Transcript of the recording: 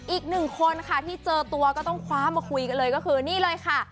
อีกหนึ่งคนค่ะที่เจอตัวก็ต้องคว้ามาคุยกันเลยก็คือนี่เลยค่ะ